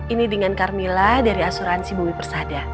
ini dengan carmila dari asuransi bumi persada